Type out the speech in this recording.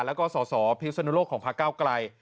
แล้วก็สสพิศนุโลกของพระเก้าไกล